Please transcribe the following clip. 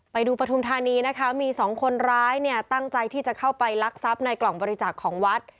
ปฐุมธานีนะคะมีสองคนร้ายเนี่ยตั้งใจที่จะเข้าไปลักทรัพย์ในกล่องบริจาคของวัด